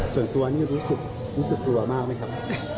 ส่วนตัวนี่รู้สึกกลัวมากไหมครับ